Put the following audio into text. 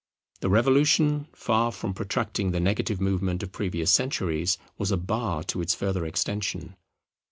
The Revolution, far from protracting the negative movement of previous centuries, was a bar to its further extension.